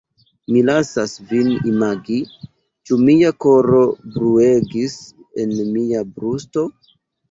Mi lasas vin imagi, ĉu mia koro bruegis en mia brusto.